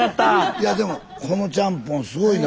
いやでもこのちゃんぽんすごいな。